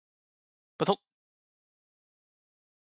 不疼